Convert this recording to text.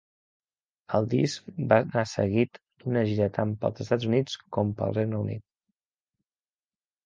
El disc va anar seguit d'una gira tant pels Estats Units com pel Regne Unit.